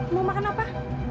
mau makan apa